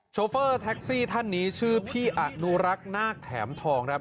โฟเฟอร์แท็กซี่ท่านนี้ชื่อพี่อนุรักษ์นาคแถมทองครับ